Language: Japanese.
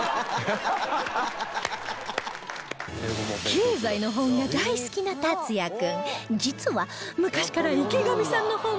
経済の本が大好きな達哉君